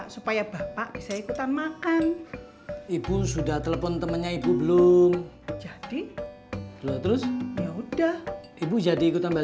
sampai jumpa di video selanjutnya